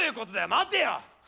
待てよ！